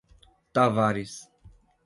Tavares